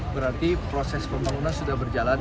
berarti proses pembangunan sudah berjalan